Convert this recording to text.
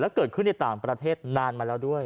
เกิดขึ้นในต่างประเทศนานมาแล้วด้วย